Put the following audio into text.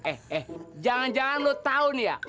eh eh jangan jangan lo tau nih ya